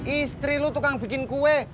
istri lu tukang bikin kue